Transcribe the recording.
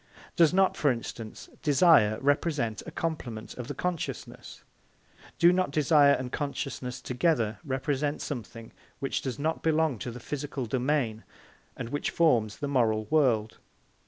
Does not, for instance, desire represent a complement of the consciousness? Do not desire and consciousness together represent a something which does not belong to the physical domain and which forms the moral world?